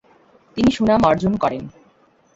তিনি সুনাম অর্জন করেন।